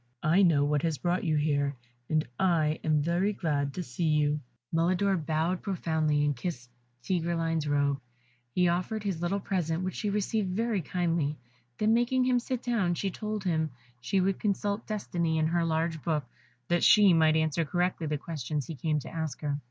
"I know what has brought you here, and I am very glad to see you." Mulidor bowed profoundly, and kissed Tigreline's robe. He offered his little present, which she received very kindly, then making him sit down, she told him she would consult Destiny in her large book, that she might answer correctly the questions he came to ask her.